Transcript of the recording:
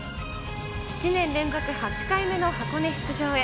７年連続８回目の箱根出場へ。